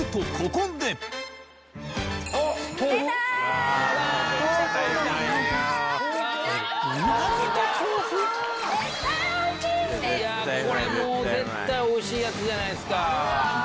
これもう絶対おいしいやつじゃないですか。